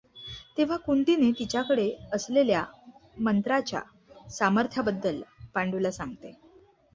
तेव्हा कुंतिने तिच्याकडे असलेल्या मंत्राच्या सामर्थ्याबद्दल पांडूला सांगते.